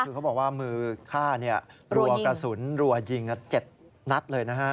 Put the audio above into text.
คือเขาบอกว่ามือฆ่ารัวกระสุนรัวยิง๗นัดเลยนะฮะ